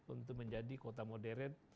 untuk menjadi kota moderat